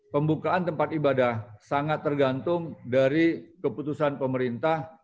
pembukaan tempat ibadah sangat tergantung dari keputusan pemerintah